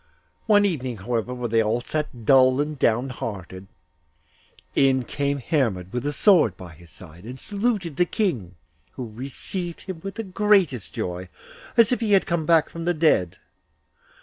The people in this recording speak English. One evening, however, while they all sat dull and down hearted, in came Hermod with a sword by his side, and saluted the King, who received him with the greatest joy, as if he had come back from the dead.